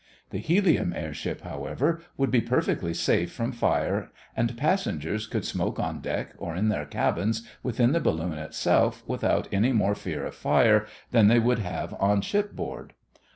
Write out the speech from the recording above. The helium airship, however, would be perfectly safe from fire and passengers could smoke on deck or in their cabins within the balloon itself without any more fear of fire than they would have on shipboard.